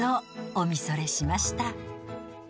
お見それしました。